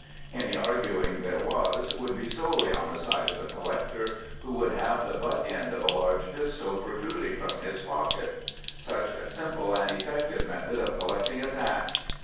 Any arguing there was would be solely on the side of the collector, who would have the butt end of a large pistol protruding from his pocket. Such a simple and effective method of collecting a tax!